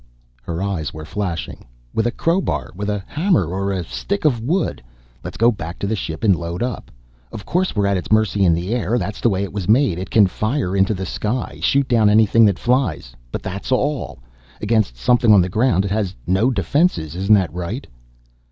Her eyes were flashing. "With a crowbar. With a hammer or a stick of wood. Let's go back to the ship and load up. Of course we're at its mercy in the air: that's the way it was made. It can fire into the sky, shoot down anything that flies. But that's all! Against something on the ground it has no defenses. Isn't that right?"